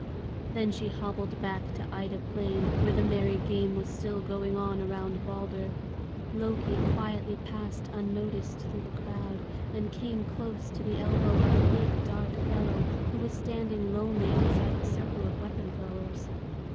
Then she hobbled back to Ida Plain, where the merry game was still going on around Balder. Loki quietly passed unnoticed through the crowd, and came close to the elbow of a big dark fellow who was standing lonely outside the circle of weapon throwers.